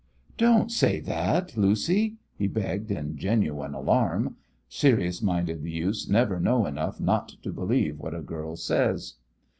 "Don't say that, Lucy," he begged, in genuine alarm. Serious minded youths never know enough not to believe what a girl says.